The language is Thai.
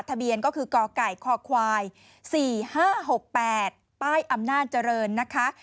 ทะเบียนก็คือกไก่คควาย๔๕๖๘ป้ายอำนาจเจริญนะคะ